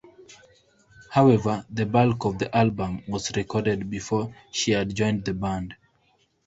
However, the bulk of the album was recorded before she had joined the band.